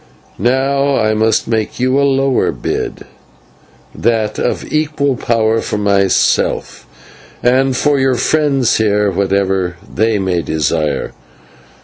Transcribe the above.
Now I must make you a lower bid: that of equal power for yourself; and for your friends here, whatever they may desire.